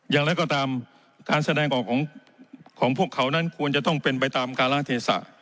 อย่างไรก็ตามการแสดงออกของพวกเขานั้นควรจะต้องเป็นไปตามการละเทศะ